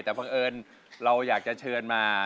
แต่บังเอิญเราอยากจะเชิญมา